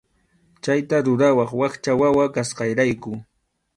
Chayta rurawaq wakcha wawa kasqayrayku.